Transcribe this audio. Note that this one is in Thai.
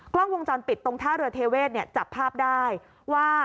กล้องวงจรปิดตรงท่าเรือเทเวศจับภาพได้ว่า